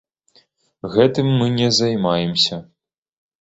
Гэтым мы не займаемся.